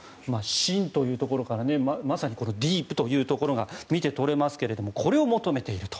深というところからまさにディープというところが見て取れますがこれを求めていると。